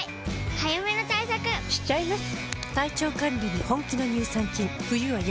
早めの対策しちゃいます。